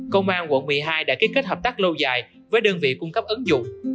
công an quận một mươi hai đã ký kết hợp tác lâu dài với đơn vị cung cấp ứng dụng